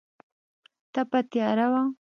تپه تیاره وه.